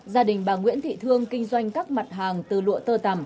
gia đình bà nguyễn thị thương kinh doanh các mặt hàng từ lụa tơ tằm